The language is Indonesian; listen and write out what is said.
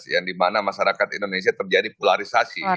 yang dimana masyarakat indonesia terjadi polarisasi